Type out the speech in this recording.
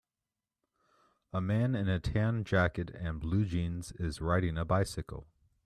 A man in a tan jacket and blue jeans is riding a bicycle.